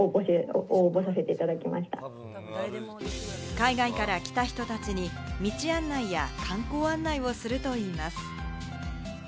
海外から来た人たちに道案内や観光案内をするといいます。